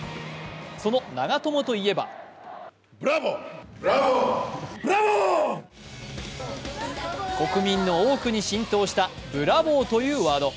その長友といえば国民の多くに浸透した「ブラボー」というワード。